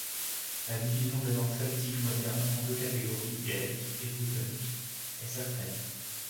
La division des langues celtiques modernes en deux catégories, gaélique et brittonique, est certaine.